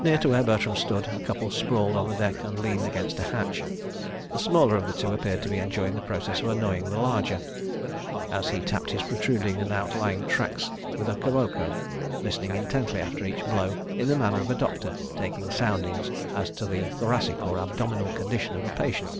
Near to where Bertram stood, a couple sprawled on the deck and leaned against a hatch. The smaller of the two appeared to be enjoying the process of annoying the larger, as he tapped his protruding and outlying tracts with a kiboko, listening intently after each blow in the manner of a doctor taking soundings as to the thoracic or abdominal condition of a patient.